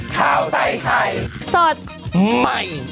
ข้าวใส่ไข่สดใหม่